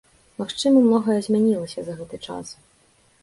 Магчыма, многае змянілася за гэты час.